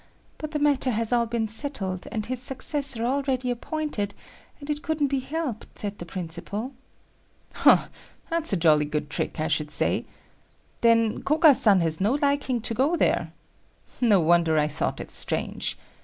But the matter has all been settled, and his successor already appointed and it couldn't be helped, said the principal." "Hum, that's a jolly good trick, I should say. Then Koga san has no liking to go there? No wonder I thought it strange.